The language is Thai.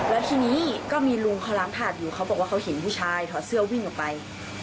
แล้วทีนี้ก็มีลุงเขาล้างถาดอยู่เขาบอกว่าเขาเห็นผู้ชายถอดเสื้อวิ่งออกไป